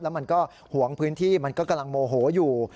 แล้วมันก็หวงพื้นที่มันก็กำลังโมโหอยู่